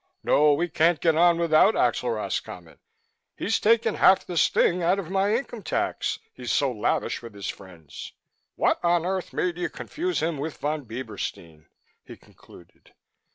No, we can't get on without Axel Roscommon. He's taken half the sting out of my income tax, he's so lavish with his friends. "What on earth made you confuse him with Von Bieberstein?" he concluded.